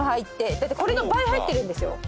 だってこれの倍入ってるんですよ。